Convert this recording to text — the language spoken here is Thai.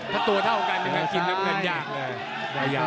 ถ้าตัวเท่ากันมันกันยากเลย